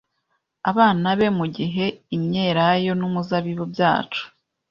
abana be Mugihe imyelayo numuzabibu byacu